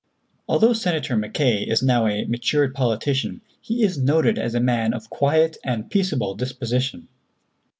Although Senator Mackay is now a matured politician, he is noted as a man of quiet and peaceable disposition.